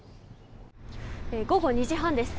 午後２時半です。